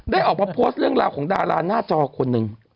ออกมาโพสต์เรื่องราวของดาราหน้าจอคนหนึ่ง